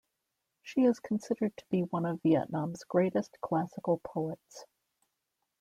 She is considered to be one of Vietnam's greatest classical poets.